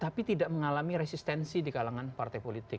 tapi tidak mengalami resistensi di kalangan partai politik